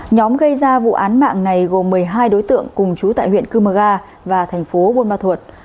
nhóm gây ra vụ án mạng này gồm một mươi hai đối tượng cùng chú tại huyện cư mơ ga và thành phố buôn ma thuột